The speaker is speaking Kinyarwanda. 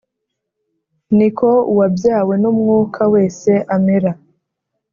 Niko uwabyawe n'Umwuka wese amera